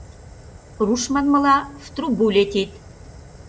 Руш манмыла, в трубу летит.